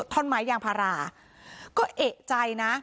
ท่อนไม้ยางพาราก็เอกใจนะ